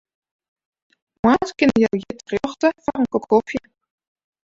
Moarns kinne jo hjir terjochte foar in kop kofje.